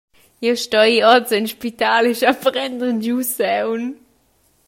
Jeu stoi ir oz en spital e schar prender giu saung.